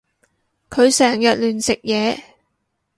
佢成日亂食嘢